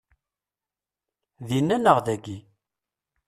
Dinna neɣ dagi?